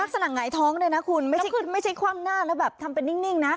หงายท้องเลยนะคุณไม่ใช่คว่ำหน้าแล้วแบบทำเป็นนิ่งนะ